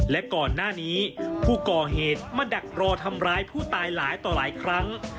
และก่อนหน้านี้ผู้ก่อเหตุมาดักรอทำร้ายผู้ตายหลายต่อหลายครั้ง